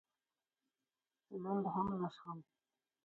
لوند هم نه شوم.